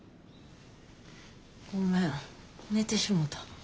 ごめん寝てしもた。